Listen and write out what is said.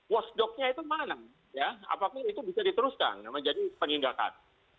wasdognya itu mana ya apakah itu bisa diteruskan menjadi penindakan